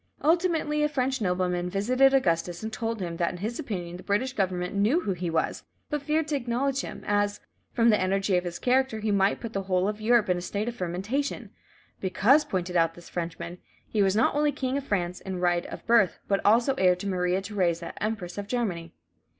Ultimately a French nobleman visited Augustus, and told him that in his opinion the British Government knew who he was, but feared to acknowledge him, as, from the energy of his character, he might put the whole of Europe in a state of fermentation, because, pointed out this Frenchman, "he was not only King of France in right of birth, but also heir to Maria Theresa, Empress of Germany."